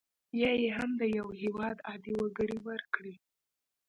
یا یې هم د یو هیواد عادي وګړي ورکړي.